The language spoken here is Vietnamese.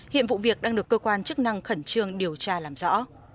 hiện vụ việc đang được cơ quan chức năng khẩn trương điều tra làm rõ